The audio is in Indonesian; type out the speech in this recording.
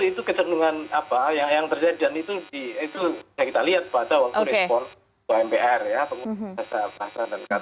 itu kecenderungan apa yang terjadi dan itu yang kita lihat pada waktu respon mbr ya